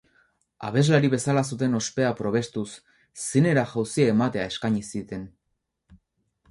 Abeslari bezala zuten ospea probestuz zinera jauzia ematea eskaini zieten.